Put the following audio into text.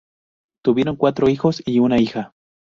Tuvieron cuatro hijos y una hija.